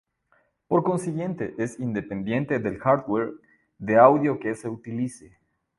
Por consiguiente es independiente del hardware de audio que se utilice.